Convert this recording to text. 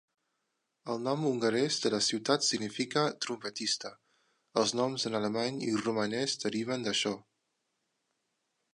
El nom hongarès de la ciutat significa "trompetista"; els noms en alemany i romanès deriven d'això.